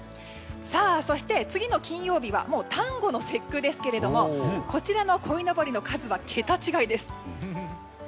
そして、次の金曜日は端午の節句ですけれどもこちらのこいのぼりの数は桁違いです。